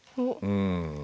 うん。